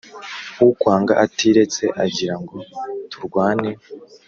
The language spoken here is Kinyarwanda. ukwanga atiretse agira ngo turwane